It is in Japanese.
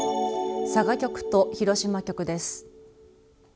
佐賀局と広島局です。